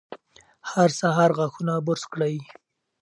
هر سهار غاښونه برس کړئ.